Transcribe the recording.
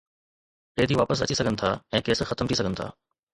قيدي واپس اچي سگهن ٿا ۽ ڪيس ختم ٿي سگهن ٿا.